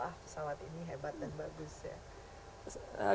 ah pesawat ini hebat dan bagus ya